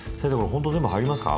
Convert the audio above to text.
ほんと全部入りますか？